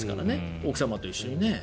奥様と一緒にね。